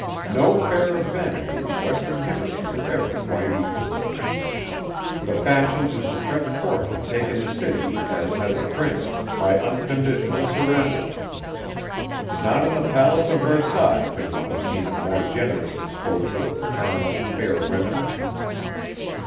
No fair of vanity in the western hemisphere ever quite equalled it. The fashions of the French Court had taken the city, as had the Prince, by unconditional surrender. Not in the palace of Versailles could one have seen a more generous exposure of the charms of fair women.